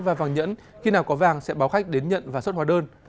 và vàng nhẫn khi nào có vàng sẽ báo khách đến nhận và xuất hóa đơn